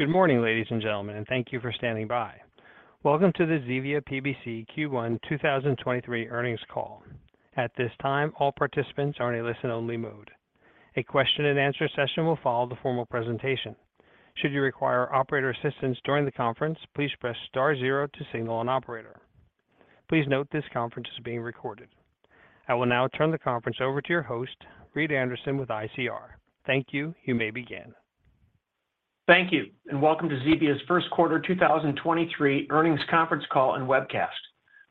Good morning, ladies and gentlemen, thank you for standing by. Welcome to the Zevia PBC Q1 2023 earnings call. At this time, all participants are in a listen only mode. A question and answer session will follow the formal presentation. Should you require operator assistance during the conference, please press star zero to signal an operator. Please note this conference is being recorded. I will now turn the conference over to your host, Reed Anderson with ICR. Thank you. You may begin. Thank you, and welcome to Zevia's first quarter 2023 earnings conference call and webcast.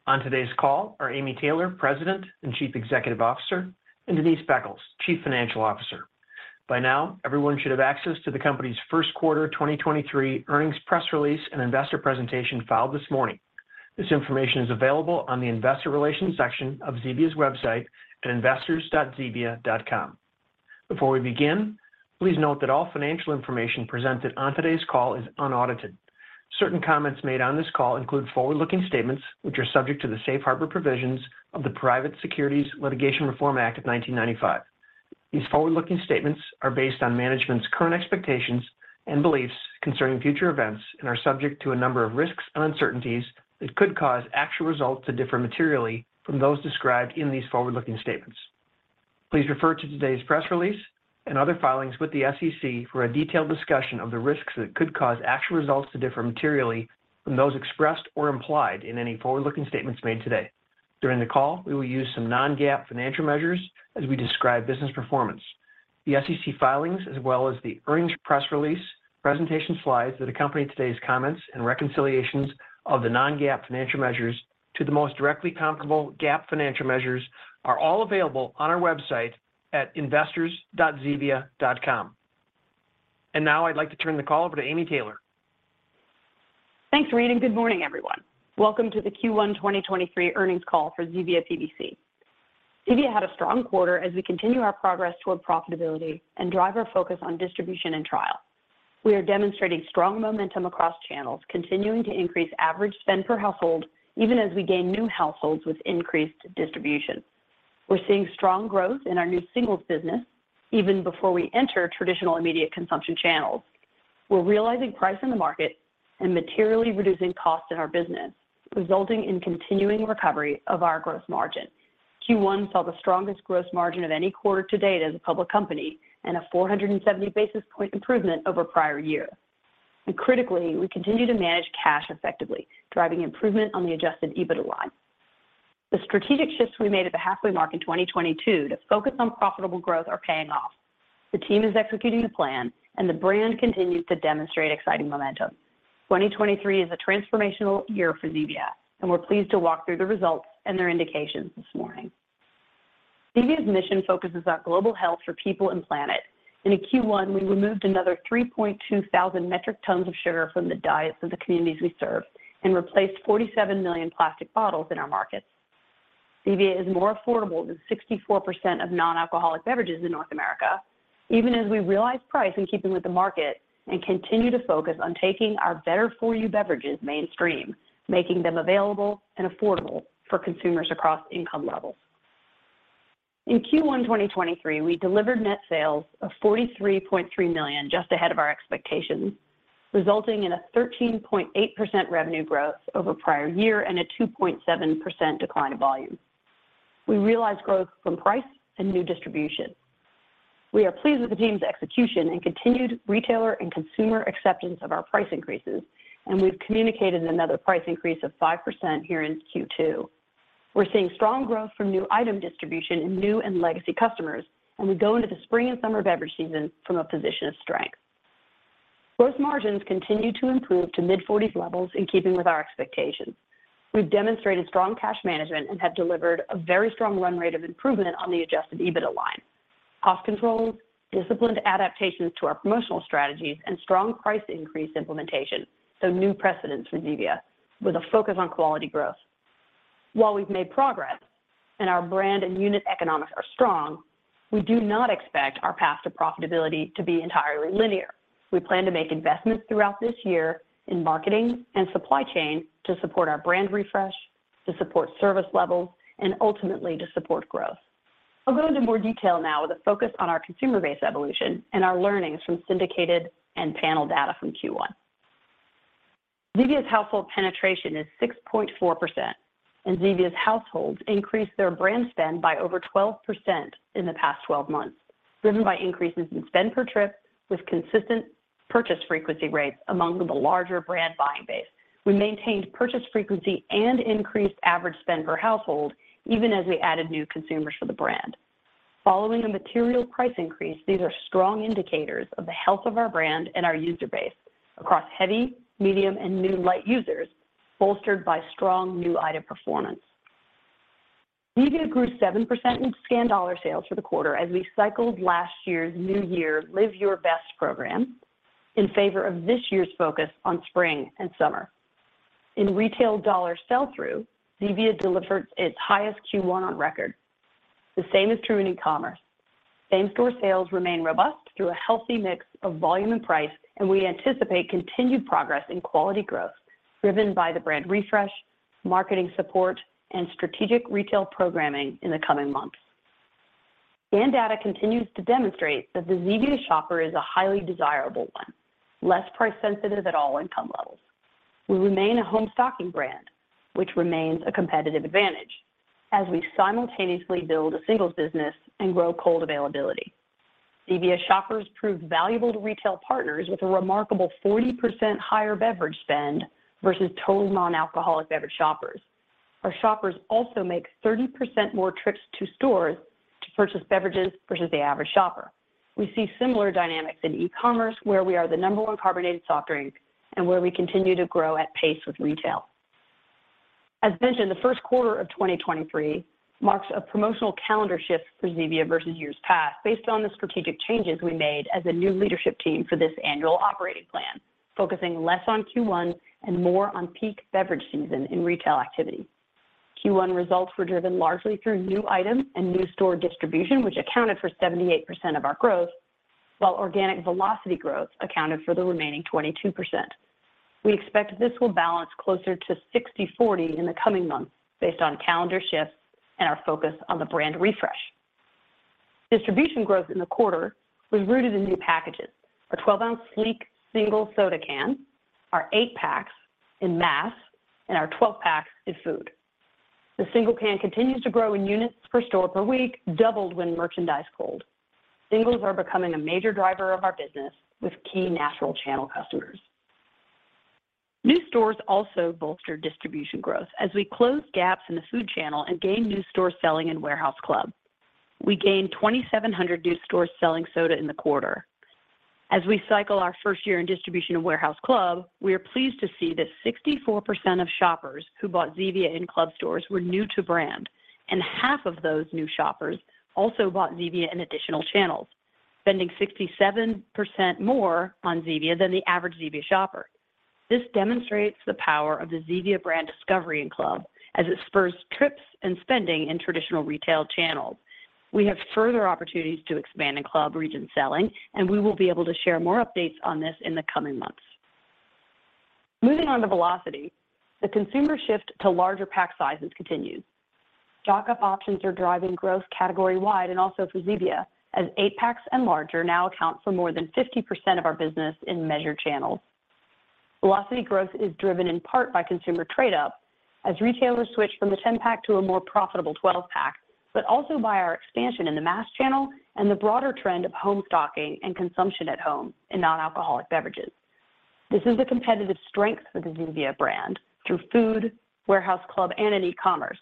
On today's call are Amy Taylor, President and Chief Executive Officer, and Denise Beckles, Chief Financial Officer. By now, everyone should have access to the company's first quarter 2023 earnings press release and investor presentation filed this morning. This information is available on the investor relations section of Zevia's website at investors.zevia.com. Before we begin, please note that all financial information presented on today's call is unaudited. Certain comments made on this call include forward-looking statements which are subject to the safe harbor provisions of the Private Securities Litigation Reform Act of 1995. These forward-looking statements are based on management's current expectations and beliefs concerning future events and are subject to a number of risks and uncertainties that could cause actual results to differ materially from those described in these forward-looking statements. Please refer to today's press release and other filings with the SEC for a detailed discussion of the risks that could cause actual results to differ materially from those expressed or implied in any forward-looking statements made today. During the call, we will use some Non-GAAP financial measures as we describe business performance. The SEC filings as well as the earnings press release, presentation slides that accompany today's comments and reconciliations of the Non-GAAP financial measures to the most directly comparable GAAP financial measures are all available on our website at investors.zevia.com. Now I'd like to turn the call over to Amy Taylor. Thanks, Reed, good morning everyone. Welcome to the Q1 2023 earnings call for Zevia PBC. Zevia had a strong quarter as we continue our progress toward profitability and drive our focus on distribution and trial. We are demonstrating strong momentum across channels, continuing to increase average spend per household even as we gain new households with increased distribution. We're seeing strong growth in our new singles business even before we enter traditional immediate consumption channels. We're realizing price in the market and materially reducing costs in our business, resulting in continuing recovery of our gross margin. Q1 saw the strongest gross margin of any quarter to date as a public company and a 470 basis point improvement over prior year. Critically, we continue to manage cash effectively, driving improvement on the Adjusted EBITDA line. The strategic shifts we made at the halfway mark in 2022 to focus on profitable growth are paying off. The team is executing the plan, and the brand continues to demonstrate exciting momentum. 2023 is a transformational year for Zevia, and we're pleased to walk through the results and their indications this morning. Zevia's mission focuses on global health for people and planet. In Q1, we removed another 3,200 metric tons of sugar from the diets of the communities we serve and replaced 47 million plastic bottles in our markets. Zevia is more affordable than 64% of non-alcoholic beverages in North America, even as we realize price in keeping with the market and continue to focus on taking our better for you beverages mainstream, making them available and affordable for consumers across income levels. In Q1 2023, we delivered net sales of $43.3 million just ahead of our expectations, resulting in a 13.8% revenue growth over prior year and a 2.7% decline in volume. We realized growth from price and new distribution. We are pleased with the team's execution and continued retailer and consumer acceptance of our price increases, and we've communicated another price increase of 5% here in Q2. We're seeing strong growth from new item distribution in new and legacy customers, and we go into the spring and summer beverage season from a position of strength. Gross margins continue to improve to mid-forties levels in keeping with our expectations. We've demonstrated strong cash management and have delivered a very strong run rate of improvement on the Adjusted EBITDA line. Cost controls, disciplined adaptations to our promotional strategies and strong price increase implementation, New precedents for Zevia with a focus on quality growth. While we've made progress and our brand and unit economics are strong, we do not expect our path to profitability to be entirely linear. We plan to make investments throughout this year in marketing and supply chain to support our brand refresh, to support service levels, and ultimately to support growth. I'll go into more detail now with a focus on our consumer base evolution and our learnings from syndicated and panel data from Q1. Zevia's household penetration is 6.4%, and Zevia's households increased their brand spend by over 12% in the past 12 months, driven by increases in spend per trip with consistent purchase frequency rates among the larger brand buying base. We maintained purchase frequency and increased average spend per household even as we added new consumers for the brand. Following the material price increase, these are strong indicators of the health of our brand and our user base across heavy, medium and new light users, bolstered by strong new item performance. Zevia grew 7% in scanned dollar sales for the quarter as we cycled last year's New Year Live Your Best program in favor of this year's focus on spring and summer. In retail dollar sell-through, Zevia delivered its highest Q1 on record. The same is true in e-commerce. Same-store sales remain robust through a healthy mix of volume and price, and we anticipate continued progress in quality growth driven by the brand refresh, marketing support, and strategic retail programming in the coming months. Data continues to demonstrate that the Zevia shopper is a highly desirable one, less price sensitive at all income levels. We remain a home stocking brand, which remains a competitive advantage as we simultaneously build a singles business and grow cold availability. Zevia shoppers prove valuable to retail partners with a remarkable 40% higher beverage spend versus total non-alcoholic beverage shoppers. Our shoppers also make 30% more trips to stores to purchase beverages versus the average shopper. We see similar dynamics in e-commerce, where we are the number one carbonated soft drink and where we continue to grow at pace with retail. As mentioned, the first quarter of 2023 marks a promotional calendar shift for Zevia versus years past based on the strategic changes we made as a new leadership team for this annual operating plan, focusing less on Q1 and more on peak beverage season in retail activity. Q1 results were driven largely through new items and new store distribution, which accounted for 78% of our growth, while organic velocity growth accounted for the remaining 22%. We expect this will balance closer to 60/40 in the coming months based on calendar shifts and our focus on the brand refresh. Distribution growth in the quarter was rooted in new packages. Our 12-ounce sleek single soda can, our eight-packs in mass, and our 12-pack in food. The single can continues to grow in units per store per week, doubled when merchandise cold. Singles are becoming a major driver of our business with key natural channel customers. New stores also bolster distribution growth as we close gaps in the food channel and gain new store selling in warehouse club. We gained 2,700 new stores selling soda in the quarter. As we cycle our first year in distribution of warehouse club, we are pleased to see that 64% of shoppers who bought Zevia in club stores were new to brand, and half of those new shoppers also bought Zevia in additional channels, spending 67% more on Zevia than the average Zevia shopper. This demonstrates the power of the Zevia brand discovery in club as it spurs trips and spending in traditional retail channels. We have further opportunities to expand in club region selling, and we will be able to share more updates on this in the coming months. Moving on to velocity, the consumer shift to larger pack sizes continues. Stock-up options are driving growth category-wide and also for Zevia, as 8-packs and larger now account for more than 50% of our business in measured channels. Velocity growth is driven in part by consumer trade-up as retailers switch from the 10-pack to a more profitable 12-pack, also by our expansion in the mass channel and the broader trend of home stocking and consumption at home in non-alcoholic beverages. This is a competitive strength for the Zevia brand through food, warehouse club, and in e-commerce.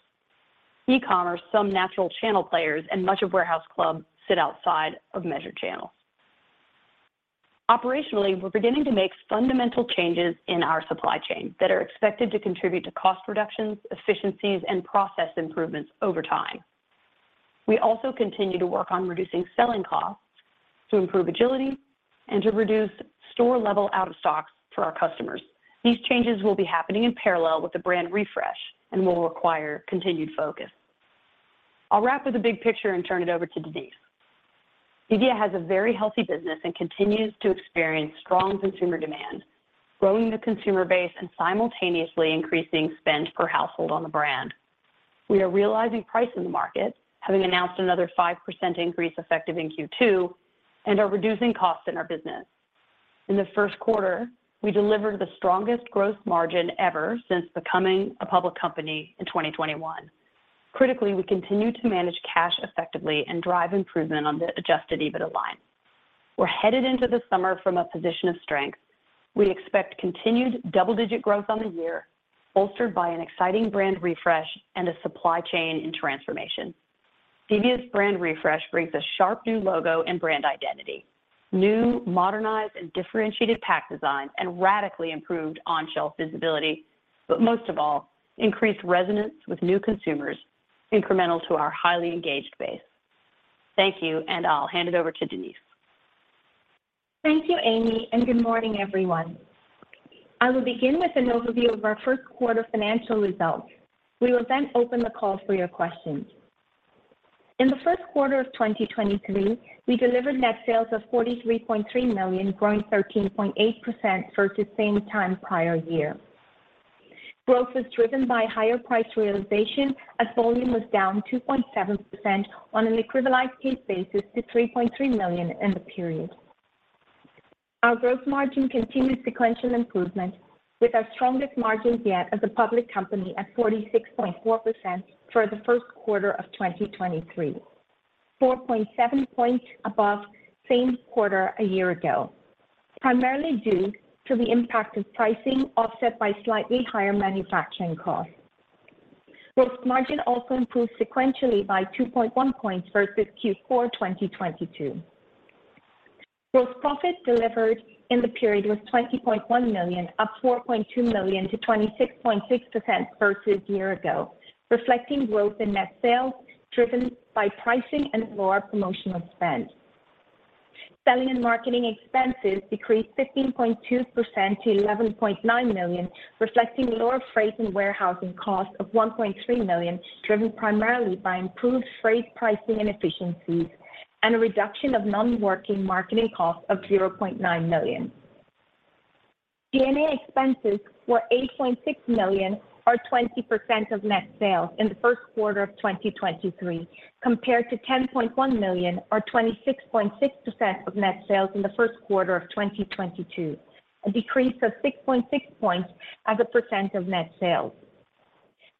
E-commerce, some natural channel players, and much of warehouse club sit outside of measured channels. Operationally, we're beginning to make fundamental changes in our supply chain that are expected to contribute to cost reductions, efficiencies, and process improvements over time. We also continue to work on reducing selling costs to improve agility and to reduce store-level out of stocks for our customers. These changes will be happening in parallel with the brand refresh and will require continued focus. I'll wrap with the big picture and turn it over to Denise. Zevia has a very healthy business and continues to experience strong consumer demand, growing the consumer base and simultaneously increasing spend per household on the brand. We are realizing price in the market, having announced another 5% increase effective in Q2, are reducing costs in our business. In the first quarter, we delivered the strongest growth margin ever since becoming a public company in 2021. Critically, we continue to manage cash effectively and drive improvement on the Adjusted EBITDA line. We're headed into the summer from a position of strength. We expect continued double-digit growth on the year, bolstered by an exciting brand refresh and a supply chain in transformation. Zevia's brand refresh brings a sharp new logo and brand identity, new modernized and differentiated pack design, and radically improved on-shelf visibility, but most of all, increased resonance with new consumers incremental to our highly engaged base. Thank you. I'll hand it over to Denise. Thank you, Amy. Good morning, everyone. I will begin with an overview of our first quarter financial results. We will open the call for your questions. In the first quarter of 2023, we delivered net sales of $43.3 million, growing 13.8% versus same time prior year. Growth was driven by higher price realization as volume was down 2.7% on an equivalized case basis to 3.3 million in the period. Our growth margin continued sequential improvement with our strongest margins yet as a public company at 46.4% for the first quarter of 2023. 4.7 points above same quarter a year ago, primarily due to the impact of pricing offset by slightly higher manufacturing costs. Growth margin also improved sequentially by 2.1 points versus Q4 2022. Gross profit delivered in the period was $20.1 million, up $4.2 million to 26.6% versus year ago, reflecting growth in net sales driven by pricing and lower promotional spend. Selling and marketing expenses decreased 15.2% to $11.9 million, reflecting lower freight and warehousing costs of $1.3 million, driven primarily by improved freight pricing and efficiencies and a reduction of non-working marketing costs of $0.9 million. G&A expenses were $8.6 million or 20% of net sales in the first quarter of 2023, compared to $10.1 million or 26.6% of net sales in the first quarter of 2022, a decrease of 6.6 points as a percent of net sales.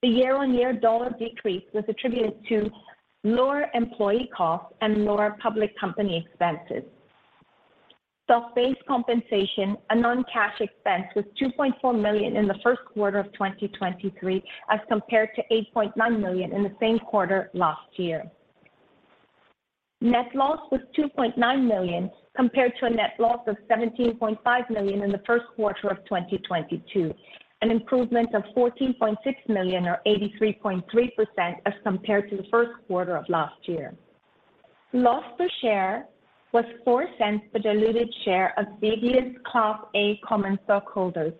The year-on-year dollar decrease was attributed to lower employee costs and lower public company expenses. Stock-based compensation, a non-cash expense, was $2.4 million in the first quarter of 2023, as compared to $8.9 million in the same quarter last year. Net loss was $2.9 million compared to a net loss of $17.5 million in the first quarter of 2022, an improvement of $14.6 million or 83.3% as compared to the first quarter of last year. Loss per share was $0.04 the diluted share of Zevia's Class A common stockholders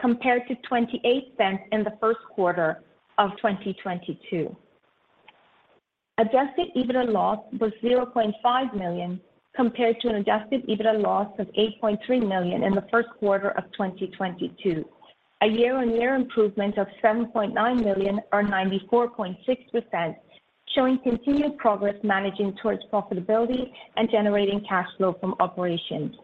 compared to $0.28 in the first quarter of 2022. Adjusted EBITDA loss was $0.5 million compared to an Adjusted EBITDA loss of $8.3 million in the first quarter of 2022, a year-on-year improvement of $7.9 million or 94.6%, showing continued progress managing towards profitability and generating cash flow from operations.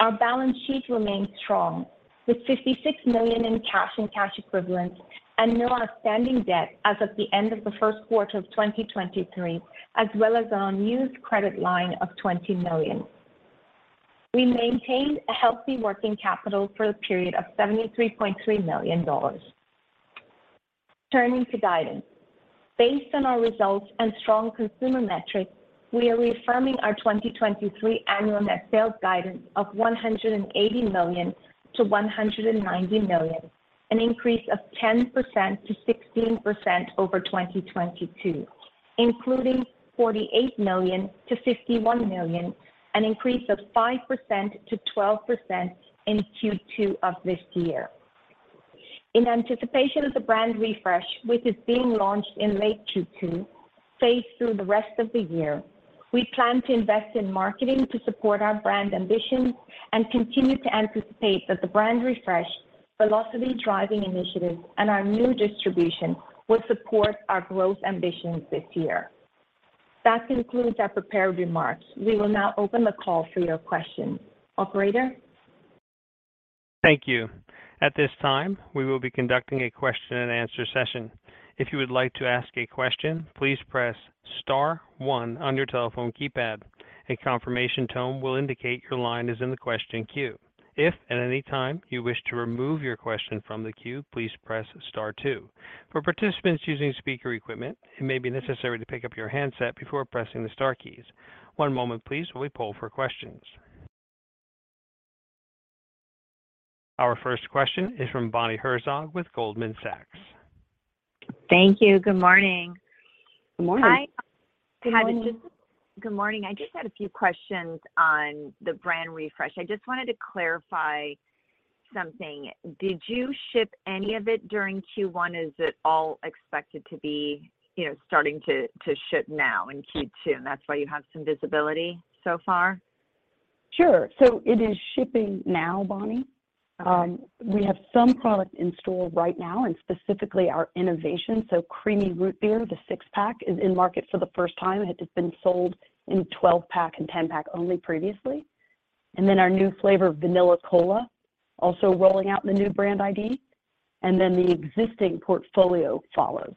Our balance sheet remains strong with $56 million in cash and cash equivalents and no outstanding debt as of the end of the first quarter of 2023, as well as our unused credit line of $20 million. We maintained a healthy working capital for the period of $73.3 million. Turning to guidance. Based on our results and strong consumer metrics, we are reaffirming our 2023 annual net sales guidance of $180 million-$190 million, an increase of 10%-16% over 2022, including $48 million-$51 million, an increase of 5%-12% in Q2 of this year. In anticipation of the brand refresh, which is being launched in late Q2, phased through the rest of the year, we plan to invest in marketing to support our brand ambitions and continue to anticipate that the brand refresh, velocity driving initiatives, and our new distribution will support our growth ambitions this year. That concludes our prepared remarks. We will now open the call for your questions. Operator? Thank you. At this time, we will be conducting a question and answer session. If you would like to ask a question, please press star one on your telephone keypad. A confirmation tone will indicate your line is in the question queue. If at any time you wish to remove your question from the queue, please press star two. For participants using speaker equipment, it may be necessary to pick up your handset before pressing the star keys. One moment please while we poll for questions. Our first question is from Bonnie Herzog with Goldman Sachs. Thank you. Good morning. Good morning. Hi. Good morning. Good morning. I just had a few questions on the brand refresh. I just wanted to clarify something. Did you ship any of it during Q1? Is it all expected to be, you know, starting to ship now in Q2, and that's why you have some visibility so far? Sure. It is shipping now, Bonnie. We have some product in store right now, and specifically our innovation. Creamy Root Beer, the 6-pack, is in market for the first time. It had just been sold in 12-pack and 10-pack only previously. Our new flavor, Vanilla Cola, also rolling out in the new brand ID. The existing portfolio follows.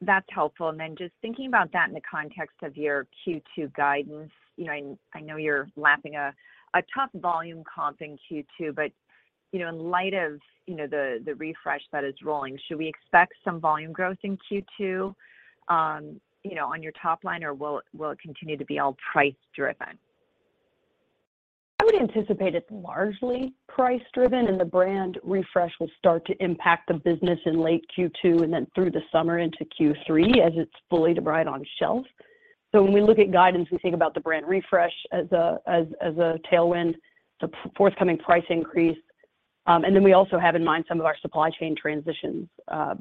That's helpful. Just thinking about that in the context of your Q2 guidance, you know, and I know you're lapping a tough volume comp in Q2, you know, in light of, you know, the refresh that is rolling, should we expect some volume growth in Q2, you know, on your top line, or will it continue to be all price-driven? I would anticipate it's largely price-driven, and the brand refresh will start to impact the business in late Q2 and then through the summer into Q3 as it's fully brought on shelf. When we look at guidance, we think about the brand refresh as a tailwind, the forthcoming price increase, and then we also have in mind some of our supply chain transitions,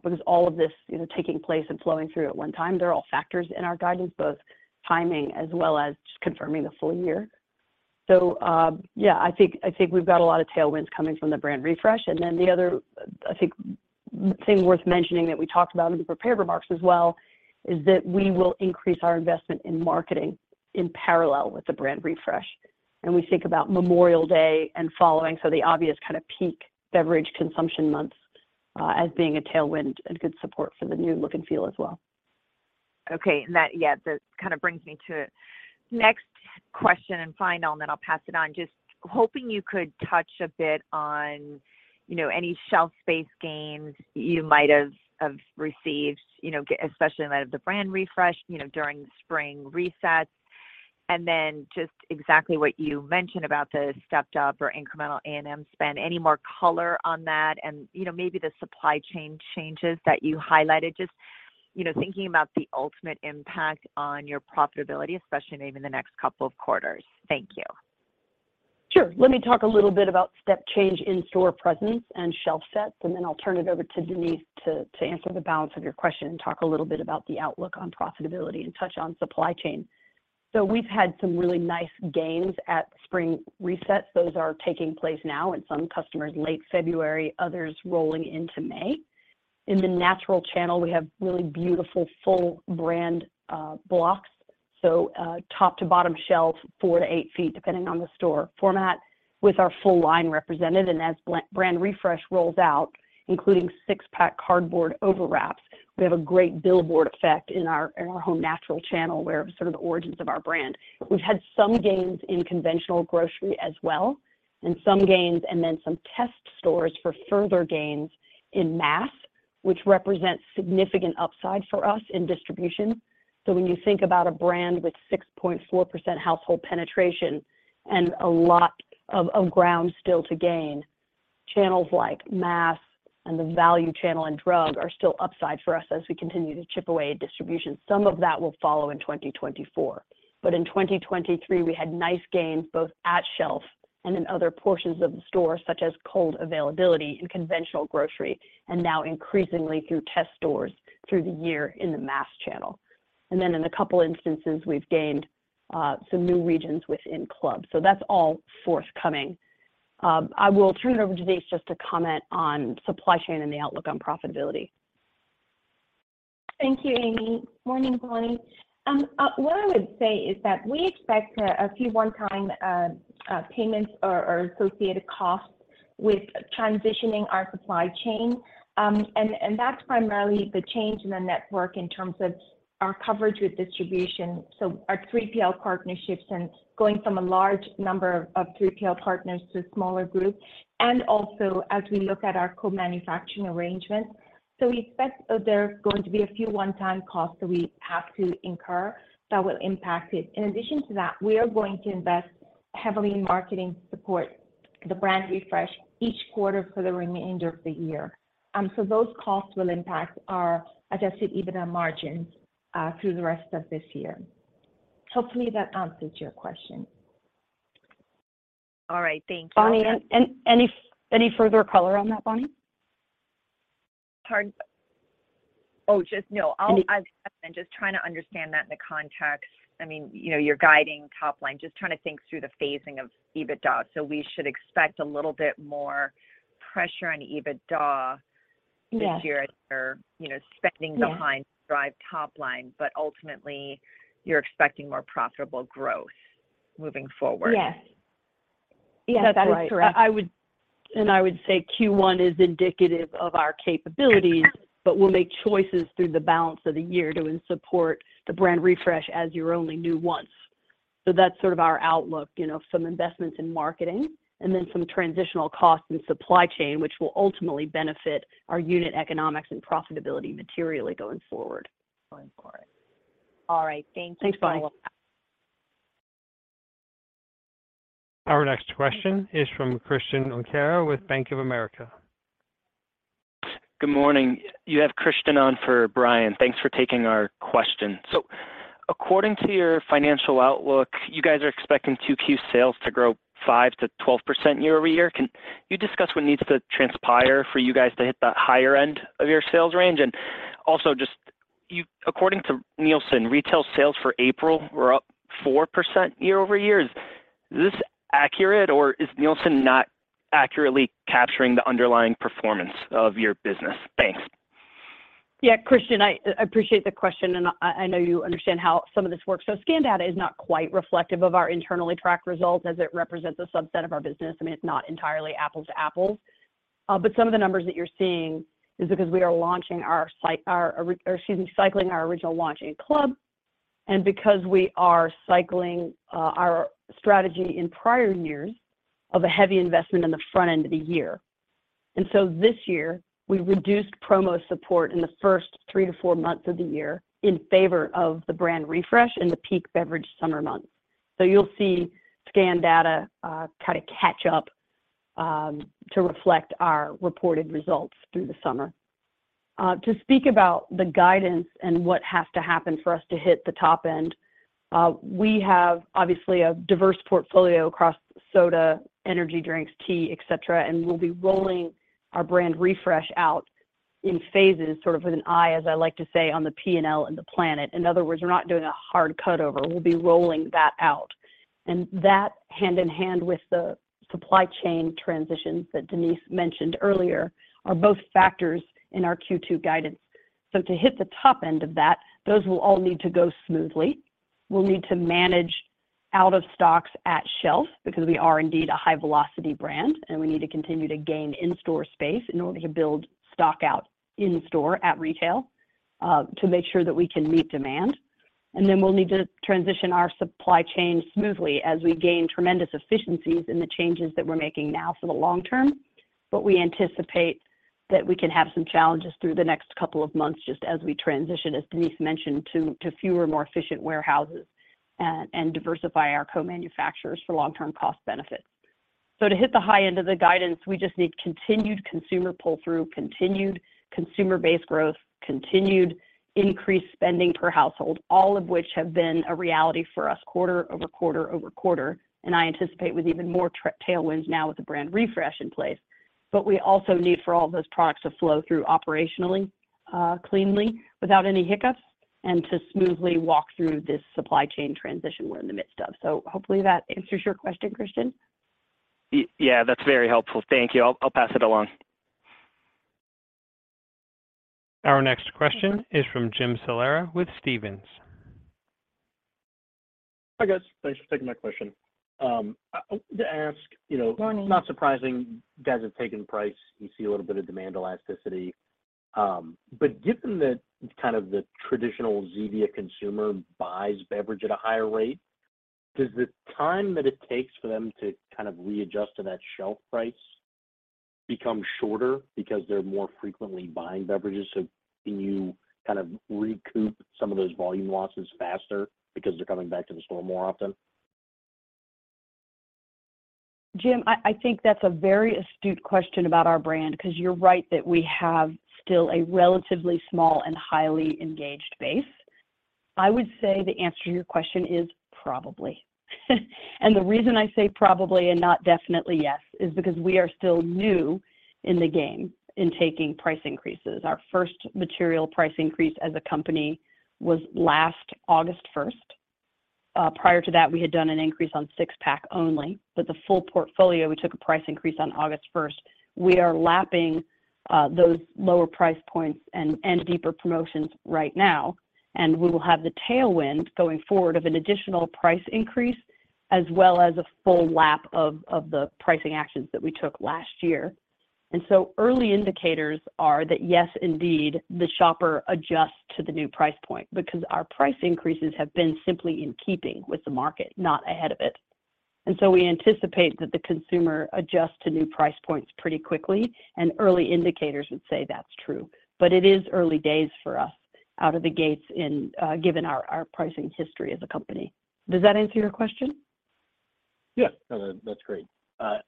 because all of this, you know, taking place and flowing through at one time, they're all factors in our guidance, both timing as well as just confirming the full year. Yeah, I think we've got a lot of tailwinds coming from the brand refresh. Then the other, I think thing worth mentioning that we talked about in the prepared remarks as well is that we will increase our investment in marketing in parallel with the brand refresh. We think about Memorial Day and following, so the obvious kind of peak beverage consumption months, as being a tailwind and good support for the new look and feel as well. Okay. That, yeah, that kind of brings me to next question and final, and then I'll pass it on. Just hoping you could touch a bit on, you know, any shelf space gains you might have received, you know, especially in light of the brand refresh, you know, during the spring resets. Then just exactly what you mentioned about the stepped up or incremental A&M spend, any more color on that and, you know, maybe the supply chain changes that you highlighted, just, you know, thinking about the ultimate impact on your profitability, especially maybe in the next couple of quarters. Thank you. Sure. Let me talk a little bit about step change in-store presence and shelf sets, I'll turn it over to Denise to answer the balance of your question and talk a little bit about the outlook on profitability and touch on supply chain. We've had some really nice gains at spring resets. Those are taking place now in some customers late February, others rolling into May. In the natural channel, we have really beautiful full brand blocks. Top to bottom shelves, four to eight feet, depending on the store format, with our full line represented. As brand refresh rolls out, including six-pack cardboard overwraps, we have a great billboard effect in our home natural channel, where sort of the origins of our brand. We've had some gains in conventional grocery as well, and some gains and then some test stores for further gains in mass, which represents significant upside for us in distribution. When you think about a brand with 6.4% household penetration and a lot of ground still to gain, channels like mass and the value channel and drug are still upside for us as we continue to chip away at distribution. Some of that will follow in 2024. In 2023, we had nice gains both at shelf and in other portions of the store, such as cold availability in conventional grocery, and now increasingly through test stores through the year in the mass channel. In a couple instances, we've gained some new regions within club. That's all forthcoming. I will turn it over to Denise just to comment on supply chain and the outlook on profitability. Thank you, Amy. Morning, Bonnie. What I would say is that we expect a few one-time payments or associated costs with transitioning our supply chain. That's primarily the change in the network in terms of our coverage with distribution, so our 3PL partnerships and going from a large number of 3PL partners to smaller groups, and also as we look at our co-manufacturing arrangements. We expect there are going to be a few one-time costs that we have to incur that will impact it. In addition to that, we are going to invest heavily in marketing support, the brand refresh each quarter for the remainder of the year. Those costs will impact our Adjusted EBITDA margins through the rest of this year. Hopefully that answers your question. All right. Thank you. Bonnie, any further color on that, Bonnie? Hard... Oh, just... No. Any- I'm just trying to understand that in the context. I mean, you know, you're guiding top line, just trying to think through the phasing of EBITDA. We should expect a little bit more pressure on EBITDA. Yes this year as you're, you know, spending Yeah to drive top line, but ultimately, you're expecting more profitable growth moving forward. Yes. Yes, that is correct. That's right. I would say Q1 is indicative of our capabilities, but we'll make choices through the balance of the year to support the brand refresh as you're only new once. That's sort of our outlook, you know, some investments in marketing and then some transitional costs in supply chain, which will ultimately benefit our unit economics and profitability materially going forward. Going forward. All right. Thank you. Thanks, Bonnie. Our next question is from Christian Ureta with Bank of America. Good morning. You have Christian on for Brian. Thanks for taking our question. According to your financial outlook, you guys are expecting 2Q sales to grow 5%-12% year-over-year. Can you discuss what needs to transpire for you guys to hit that higher end of your sales range? Also just, according to Nielsen, retail sales for April were up 4% year-over-year. Is this accurate, or is Nielsen not accurately capturing the underlying performance of your business? Thanks. Yeah, Christian, I appreciate the question. I know you understand how some of this works. Scanned data is not quite reflective of our internally tracked results as it represents a subset of our business. I mean, it's not entirely apples to apples. Some of the numbers that you're seeing is because we are launching our, or excuse me, cycling our original launch in club and because we are cycling our strategy in prior years of a heavy investment in the front end of the year. This year, we reduced promo support in the first three to four months of the year in favor of the brand refresh in the peak beverage summer months. You'll see scanned data kind of catch up to reflect our reported results through the summer. To speak about the guidance and what has to happen for us to hit the top end, we have obviously a diverse portfolio across soda, energy drinks, tea, et cetera, and we'll be rolling our brand refresh out in phases, sort of with an eye, as I like to say, on the P&L and the planet. In other words, we're not doing a hard cutover. We'll be rolling that out. That hand in hand with the supply chain transitions that Denise mentioned earlier are both factors in our Q2 guidance. To hit the top end of that, those will all need to go smoothly. We'll need to manage out of stocks at shelf because we are indeed a high-velocity brand, and we need to continue to gain in-store space in order to build stock out in store at retail, to make sure that we can meet demand. We'll need to transition our supply chain smoothly as we gain tremendous efficiencies in the changes that we're making now for the long term. We anticipate that we can have some challenges through the next couple of months just as we transition, as Denise mentioned, to fewer, more efficient warehouses, and diversify our co-manufacturers for long-term cost benefits. To hit the high end of the guidance, we just need continued consumer pull-through, continued consumer base growth, continued increased spending per household, all of which have been a reality for us quarter over quarter over quarter, and I anticipate with even more tailwinds now with the brand refresh in place. We also need for all those products to flow through operationally, cleanly without any hiccups and to smoothly walk through this supply chain transition we're in the midst of. Hopefully that answers your question, Christian. Yeah, that's very helpful. Thank you. I'll pass it along. Our next question is from Jim Salera with Stephens. Hi, guys. Thanks for taking my question. I wanted to ask, you know. Good morning.... not surprising, you guys have taken price, you see a little bit of demand elasticity. given that kind of the traditional Zevia consumer buys beverage at a higher rate, does the time that it takes for them to kind of readjust to that shelf price become shorter because they're more frequently buying beverages? can you kind of recoup some of those volume losses faster because they're coming back to the store more often? Jim, I think that's a very astute question about our brand because you're right that we have still a relatively small and highly engaged base. I would say the answer to your question is probably. The reason I say probably and not definitely yes is because we are still new in the game in taking price increases. Our first material price increase as a company was last August first. Prior to that, we had done an increase on 6-pack only. The full portfolio, we took a price increase on August first. We are lapping those lower price points and deeper promotions right now, and we will have the tailwind going forward of an additional price increase as well as a full lap of the pricing actions that we took last year. Early indicators are that, yes, indeed, the shopper adjusts to the new price point because our price increases have been simply in keeping with the market, not ahead of it. We anticipate that the consumer adjusts to new price points pretty quickly, and early indicators would say that's true. It is early days for us out of the gates in, given our pricing history as a company. Does that answer your question? Yes. No, no, that's great.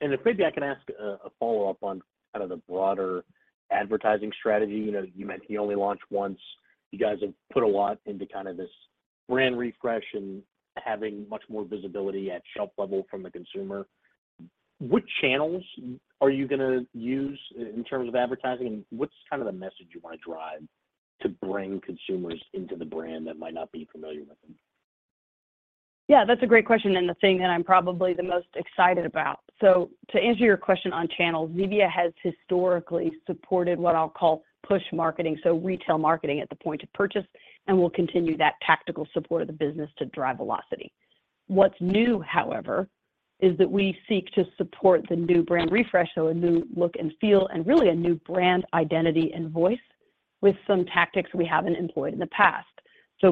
If maybe I can ask a follow-up on kind of the broader advertising strategy. You know, you mentioned you only launch once. You guys have put a lot into kind of this brand refresh and having much more visibility at shelf level from the consumer. What channels are you gonna use in terms of advertising, and what's kind of the message you want to drive to bring consumers into the brand that might not be familiar with them? Yeah, that's a great question and the thing that I'm probably the most excited about. To answer your question on channels, Zevia has historically supported what I'll call push marketing, so retail marketing at the point of purchase, and we'll continue that tactical support of the business to drive velocity. What's new, however, is that we seek to support the new brand refresh, so a new look and feel and really a new brand identity and voice with some tactics we haven't employed in the past.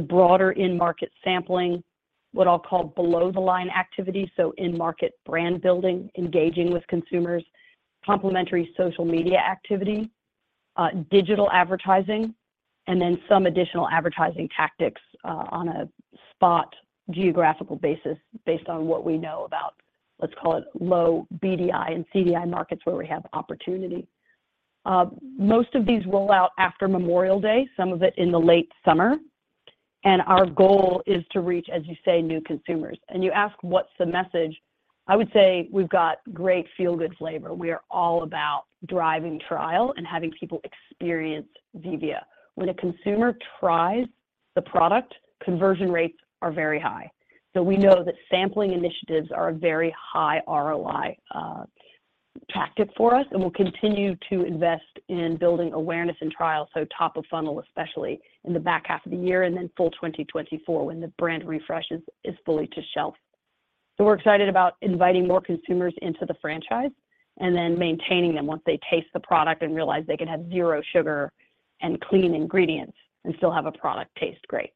Broader in-market sampling, what I'll call below-the-line activity, so in-market brand building, engaging with consumers, complementary social media activity, digital advertising, and then some additional advertising tactics on a spot geographical basis based on what we know about, let's call it low BDI and CDI markets where we have opportunity. Most of these roll out after Memorial Day, some of it in the late summer, and our goal is to reach, as you say, new consumers. You ask what's the message, I would say we've got great feel-good flavor. We are all about driving trial and having people experience Zevia. When a consumer tries the product, conversion rates are very high. We know that sampling initiatives are a very high ROI tactic for us, and we'll continue to invest in building awareness and trial, top of funnel especially in the back half of the year and then full 2024 when the brand refresh is fully to shelf. We're excited about inviting more consumers into the franchise and then maintaining them once they taste the product and realize they can have zero sugar and clean ingredients and still have a product taste great.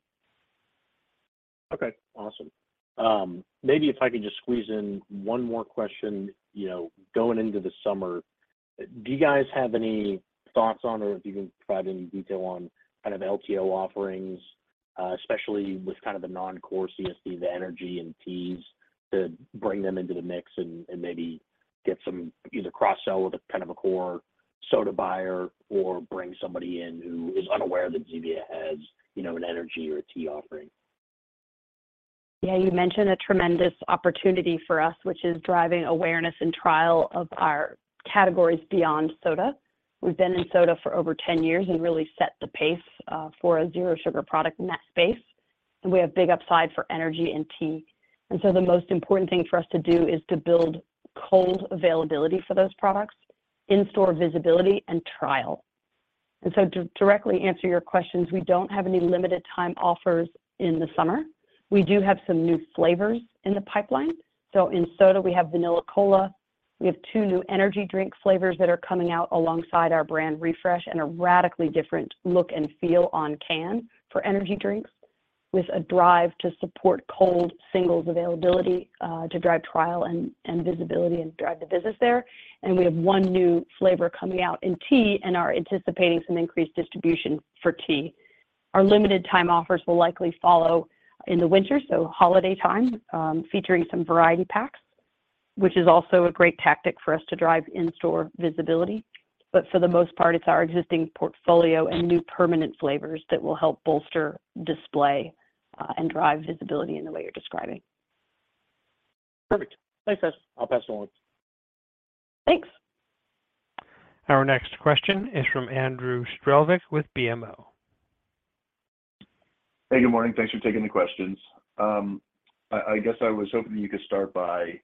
Okay. Awesome. Maybe if I could just squeeze in one more question. You know, going into the summer, do you guys have any thoughts on or if you can provide any detail on kind of LTO offerings, especially with kind of the non-core CSD, the energy and teas to bring them into the mix and maybe get some either cross-sell with a kind of a core soda buyer or bring somebody in who is unaware that Zevia has, you know, an energy or a tea offering? Yeah, you mentioned a tremendous opportunity for us, which is driving awareness and trial of our categories beyond soda. We've been in soda for over 10 years and really set the pace for a zero sugar product in that space, and we have big upside for energy and tea. The most important thing for us to do is to build cold availability for those products, in-store visibility, and trial. To directly answer your questions, we don't have any limited time offers in the summer. We do have some new flavors in the pipeline. In soda, we have Vanilla Cola. We have two new energy drink flavors that are coming out alongside our brand refresh and a radically different look and feel on can for energy drinks with a drive to support cold singles availability, to drive trial and visibility and drive the business there. We have one new flavor coming out in tea and are anticipating some increased distribution for tea. Our limited time offers will likely follow in the winter, so holiday time, featuring some variety packs, which is also a great tactic for us to drive in-store visibility. For the most part, it's our existing portfolio and new permanent flavors that will help bolster display, and drive visibility in the way you're describing. Perfect. Thanks, guys. I'll pass it on. Thanks. Our next question is from Andrew Strelzik with BMO. Hey, good morning. Thanks for taking the questions. I guess I was hoping you could start by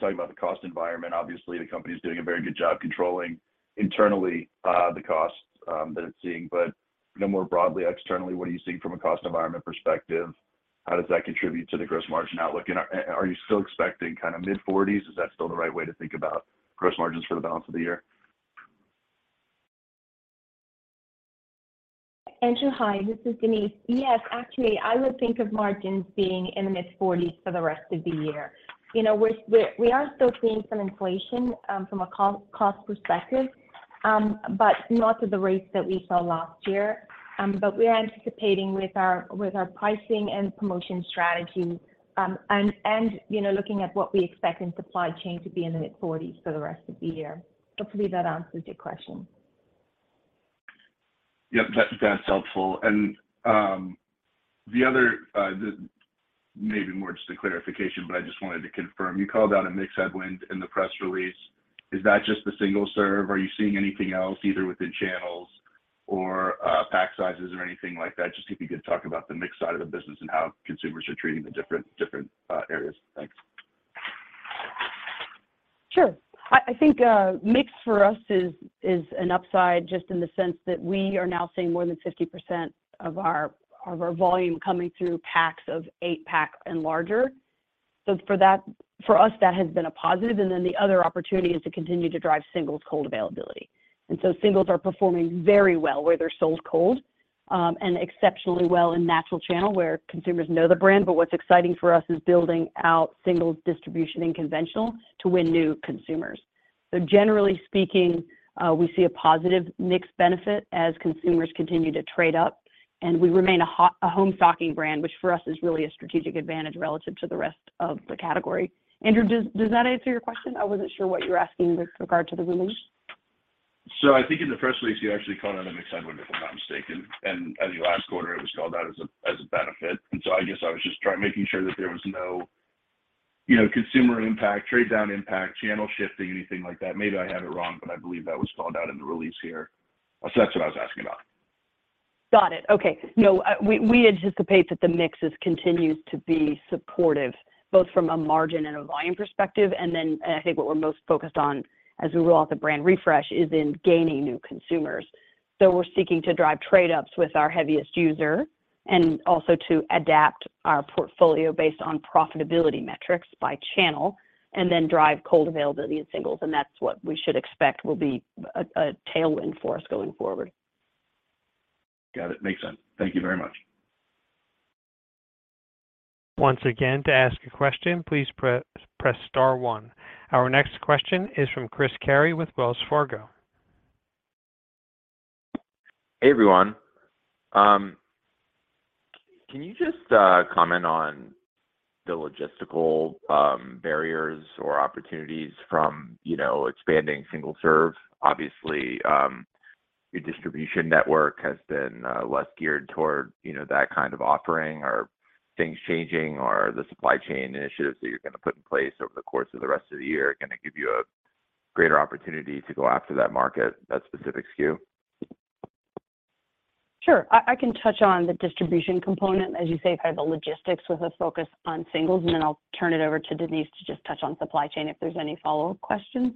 talking about the cost environment. Obviously, the company is doing a very good job controlling internally, the costs that it's seeing. You know, more broadly, externally, what are you seeing from a cost environment perspective? How does that contribute to the gross margin outlook? Are you still expecting kind of mid-40s%? Is that still the right way to think about gross margins for the balance of the year? Andrew, hi. This is Denise. Yes. Actually, I would think of margins being in the mid-forties for the rest of the year. You know, we are still seeing some inflation from a cost perspective, but not at the rates that we saw last year. We're anticipating with our pricing and promotion strategy, and, you know, looking at what we expect in supply chain to be in the mid-forties for the rest of the year. Hopefully, that answers your question. Yep. That's helpful. The other, maybe more just a clarification, but I just wanted to confirm. You called out a mix headwind in the press release. Is that just the single serve? Are you seeing anything else either within channels or pack sizes or anything like that? Just if you could talk about the mix side of the business and how consumers are treating the different areas. Thanks. Sure. I think mix for us is an upside just in the sense that we are now seeing more than 50% of our volume coming through packs of 8-pack and larger. For us, that has been a positive, and then the other opportunity is to continue to drive singles cold availability. Singles are performing very well where they're sold cold, and exceptionally well in natural channel where consumers know the brand. What's exciting for us is building out singles distribution and conventional to win new consumers. Generally speaking, we see a positive mix benefit as consumers continue to trade up, and we remain a home stocking brand, which for us is really a strategic advantage relative to the rest of the category. Andrew, does that answer your question? I wasn't sure what you were asking with regard to the release. I think in the press release, you actually called out a mix headwind, if I'm not mistaken. As of last quarter, it was called out as a, as a benefit. I guess I was just making sure that there was no, you know, consumer impact, trade down impact, channel shifting, anything like that. Maybe I have it wrong, but I believe that was called out in the release here. That's what I was asking about. Got it. Okay. No, we anticipate that the mix is continues to be supportive, both from a margin and a volume perspective. I think what we're most focused on as we roll out the brand refresh is in gaining new consumers. We're seeking to drive trade ups with our heaviest user and also to adapt our portfolio based on profitability metrics by channel drive cold availability of singles. That's what we should expect will be a tailwind for us going forward. Got it. Makes sense. Thank you very much. Once again, to ask a question, please press star one. Our next question is from Chris Carey with Wells Fargo. Hey, everyone. Can you just comment on the logistical barriers or opportunities from, you know, expanding single serve? Obviously, your distribution network has been less geared toward, you know, that kind of offering. Are things changing or the supply chain initiatives that you're gonna put in place over the course of the rest of the year gonna give you a greater opportunity to go after that market, that specific SKU? Sure. I can touch on the distribution component, as you say, kind of the logistics with a focus on singles, and then I'll turn it over to Denise to just touch on supply chain if there's any follow-up questions.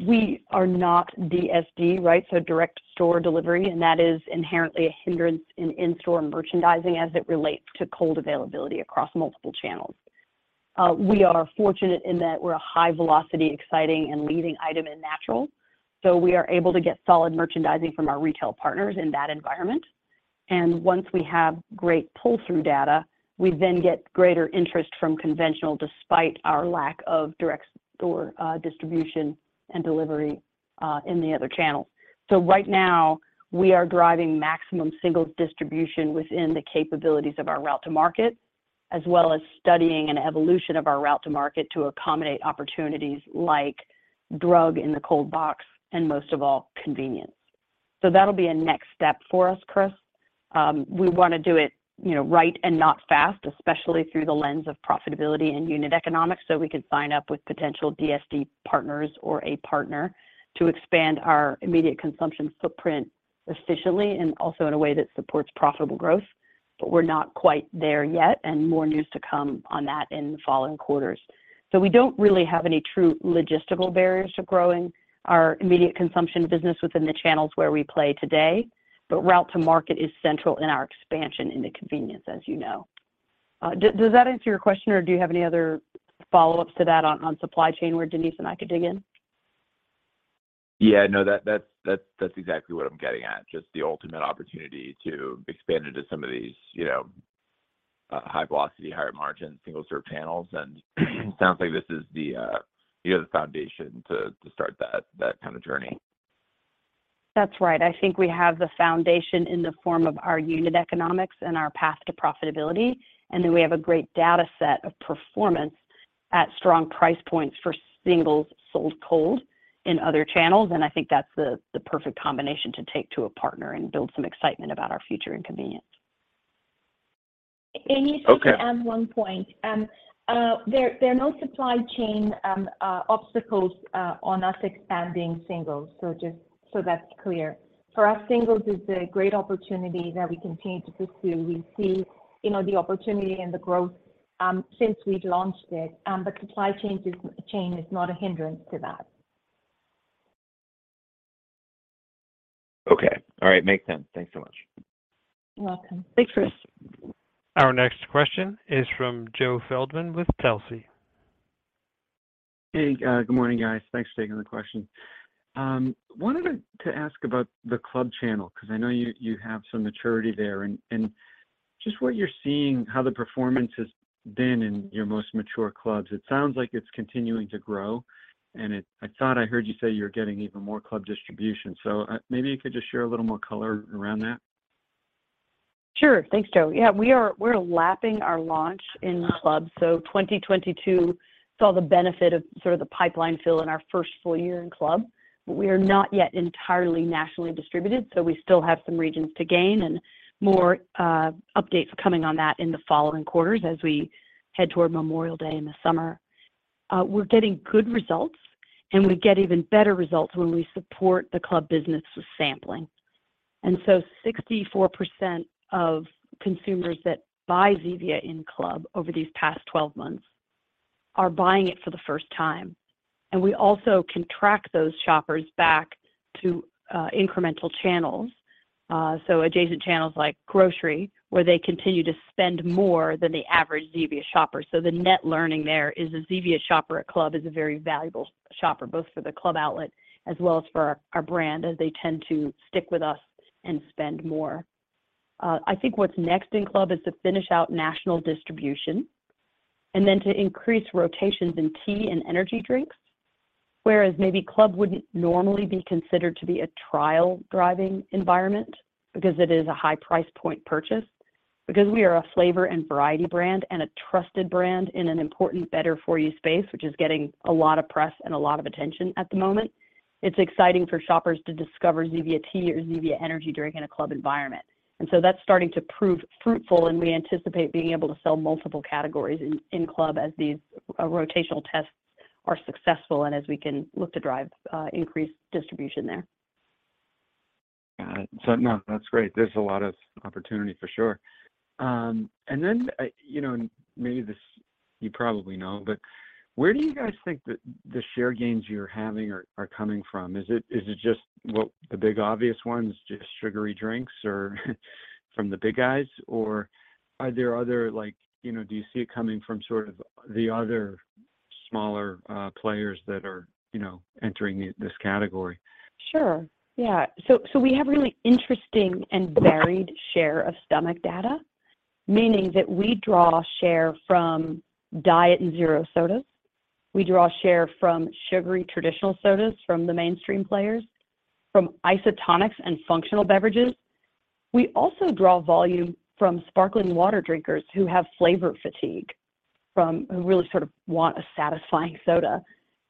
We are not DSD, right? So direct store delivery, and that is inherently a hindrance in in-store merchandising as it relates to cold availability across multiple channels. We are fortunate in that we're a high velocity, exciting, and leading item in natural. We are able to get solid merchandising from our retail partners in that environment. Once we have great pull-through data, we then get greater interest from conventional despite our lack of direct store, distribution and delivery, in the other channels. Right now, we are driving maximum singles distribution within the capabilities of our route to market, as well as studying an evolution of our route to market to accommodate opportunities like drug in the cold box and most of all, convenience. That'll be a next step for us, Chris. We wanna do it, you know, right and not fast, especially through the lens of profitability and unit economics, so we could sign up with potential DSD partners or a partner to expand our immediate consumption footprint efficiently and also in a way that supports profitable growth. We're not quite there yet, and more news to come on that in the following quarters. We don't really have any true logistical barriers to growing our immediate consumption business within the channels where we play today. Route to market is central in our expansion into convenience, as you know. Does that answer your question, or do you have any other follow-ups to that on supply chain where Denise and I could dig in? Yeah. No, that's exactly what I'm getting at, just the ultimate opportunity to expand into some of these, you know, high velocity, higher margin, single serve channels. Sounds like this is the, you have the foundation to start that kind of journey. That's right. I think we have the foundation in the form of our unit economics and our path to profitability. Then we have a great data set of performance at strong price points for singles sold cold in other channels. I think that's the perfect combination to take to a partner and build some excitement about our future in convenience. Okay. You see, to add one point. There are no supply chain obstacles on us expanding singles. Just so that's clear. For us, singles is a great opportunity that we continue to pursue. We see, you know, the opportunity and the growth since we've launched it. The supply chain is not a hindrance to that. Okay. All right. Makes sense. Thanks so much. You're welcome. Thanks, Chris. Our next question is from Joe Feldman with Telsey. Hey, good morning, guys. Thanks for taking the question. Wanted to ask about the club channel, because I know you have some maturity there and just what you're seeing, how the performance has been in your most mature clubs. It sounds like it's continuing to grow, and I thought I heard you say you're getting even more club distribution. Maybe you could just share a little more color around that. Sure. Thanks, Joe. Yeah, we're lapping our launch in clubs, so 2022 saw the benefit of sort of the pipeline fill in our first full year in club. We are not yet entirely nationally distributed, so we still have some regions to gain and more updates coming on that in the following quarters as we head toward Memorial Day in the summer. We're getting good results, and we get even better results when we support the club business with sampling. Sixty-four percent of consumers that buy Zevia in club over these past 12 months are buying it for the first time. We also can track those shoppers back to incremental channels, so adjacent channels like grocery, where they continue to spend more than the average Zevia shopper. The net learning there is a Zevia shopper at club is a very valuable shopper, both for the club outlet as well as for our brand, as they tend to stick with us and spend more. I think what's next in club is to finish out national distribution and then to increase rotations in tea and energy drinks. Maybe club wouldn't normally be considered to be a trial driving environment because it is a high price point purchase. We are a flavor and variety brand and a trusted brand in an important better for you space, which is getting a lot of press and a lot of attention at the moment, it's exciting for shoppers to discover Zevia tea or Zevia energy drink in a club environment. That's starting to prove fruitful, and we anticipate being able to sell multiple categories in club as these, rotational tests are successful and as we can look to drive, increased distribution there. Got it. No, that's great. There's a lot of opportunity for sure. You know, maybe this you probably know, but where do you guys think that the share gains you're having are coming from? Is it just, well, the big obvious ones, just sugary drinks or from the big guys, or are there other like, you know, do you see it coming from sort of the other smaller players that are, you know, entering this category? Sure, yeah. We have really interesting and varied share of stomach data, meaning that we draw share from diet and zero sodas. We draw share from sugary traditional sodas from the mainstream players, from isotonics and functional beverages. We also draw volume from sparkling water drinkers who have flavor fatigue from who really sort of want a satisfying soda.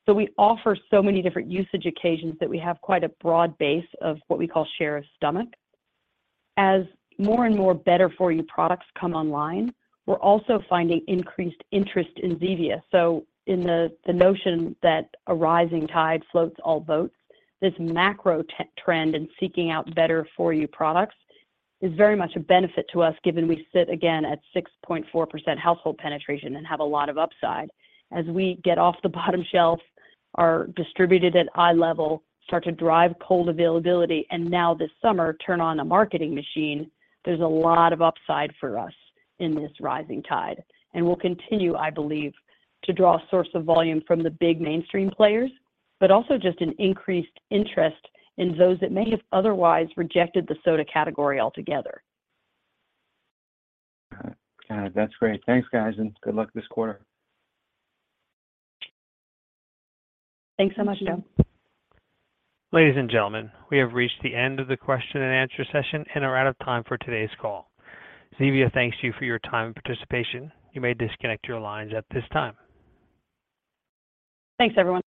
We offer so many different usage occasions that we have quite a broad base of what we call share of stomach. As more and more better for you products come online, we're also finding increased interest in Zevia. In the notion that a rising tide floats all boats, this macro trend in seeking out better for you products is very much a benefit to us given we sit again at 6.4% household penetration and have a lot of upside. As we get off the bottom shelf, are distributed at eye level, start to drive cold availability, and now this summer turn on a marketing machine, there's a lot of upside for us in this rising tide. We'll continue, I believe, to draw source of volume from the big mainstream players, but also just an increased interest in those that may have otherwise rejected the soda category altogether. Got it. Got it. That's great. Thanks, guys, and good luck this quarter. Thanks so much, Joe. Ladies and gentlemen, we have reached the end of the question and answer session and are out of time for today's call. Zevia thanks you for your time and participation. You may disconnect your lines at this time. Thanks, everyone.